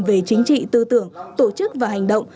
về chính trị tư tưởng tổ chức và hành động